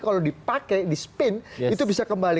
kalau dipakai di spin itu bisa kembali